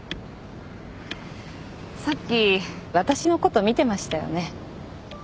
さっき私のこと見てましたよね？